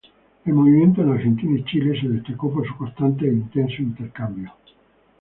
El movimiento en Argentina y Chile se destacó por su constante e intenso intercambio.